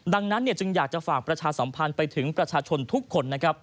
ดังนั้นอยากฝากประชาสัมพันธ์ไปถึงประชาชนทุกคน